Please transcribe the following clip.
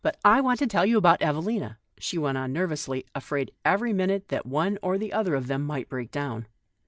I want to tell you about Evelina," she went on feverishly, afraid every minute that one or other of them might break down.